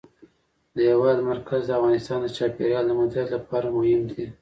د هېواد مرکز د افغانستان د چاپیریال د مدیریت لپاره مهم دي.